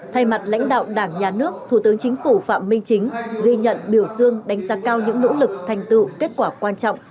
thay mặt lãnh đạo đảng nhà nước thủ tướng chính phủ phạm minh chính ghi nhận biểu dương đánh giá cao những nỗ lực thành tựu kết quả quan trọng